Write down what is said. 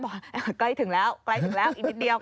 บอกว่าใกล้ถึงแล้วอีกนิดเดียว